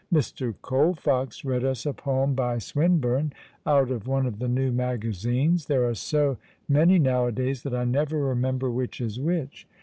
" Mr. Colfox read us a poem by Swinburne, out of one of the new magazines — there are so many nowadays that I never remember which is which.